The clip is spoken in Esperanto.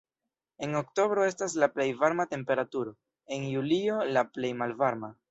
En oktobro estas la plej varma temperaturo, en julio la plej malvarma.